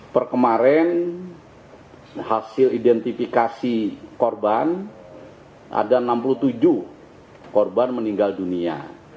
per kemarin hasil identifikasi korban ada enam puluh tujuh korban meninggal dunia